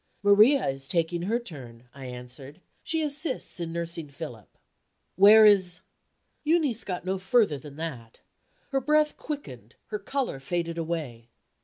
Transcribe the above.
"Maria is taking her turn," I answered; "she assists in nursing Philip." "Where is ?" Euneece got no further than that. Her breath quickened, her color faded away.